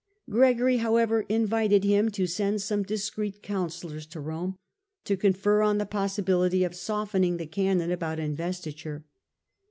Gregory, however, invited him to send some discreet counsellors to Borne, to confer on the possibility of softening the canon about investiture.